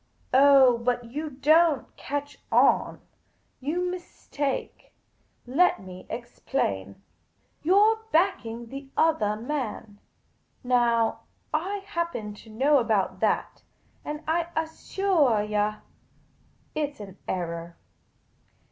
" Oh, but you don't catch on. You mistake. Let me explain. You 're backing the othah man. Now, I happen to know about that, and I assuah you, it 's an error.